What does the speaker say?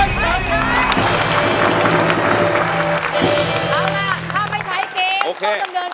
เอาล่ะถ้าไม่ใช้จริง